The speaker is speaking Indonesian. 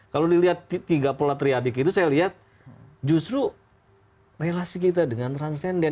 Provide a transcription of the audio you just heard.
kalau dilihat tiga pola triadik itu saya lihat justru relasi kita dengan transcedenden